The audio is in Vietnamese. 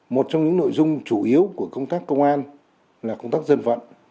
một trong những nội dung chủ yếu của công tác công an là công tác dân vận